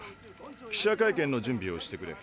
記者会見の準備をしてくれ。